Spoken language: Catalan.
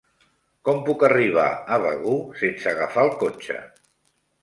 Com puc arribar a Begur sense agafar el cotxe?